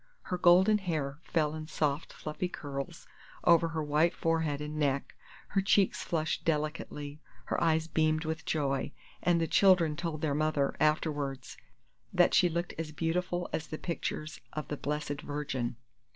Her golden hair fell in soft fluffy curls over her white forehead and neck, her cheeks flushed delicately, her eyes beamed with joy, and the children told their mother, afterwards, that she looked as beautiful as the pictures of the Blessed Virgin.